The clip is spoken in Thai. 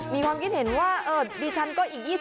มีความคิดเห็นว่าดีชันก็อีก๒๐ปีกัน